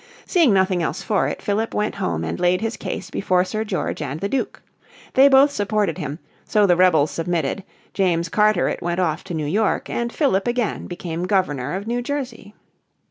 Seeing nothing else for it Philip went home and laid his case before Sir George and the Duke. They both supported him, so the rebels submitted, James Carteret went off to New York, and Philip again became Governor of New Jersey.